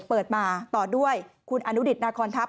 เปิดมาต่อด้วยคุณอนุดิตนาคอนทัพ